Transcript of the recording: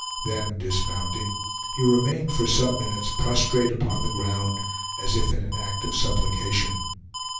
Then dismounting, he remained for some minutes prostrate upon the ground, as if in an act of supplication.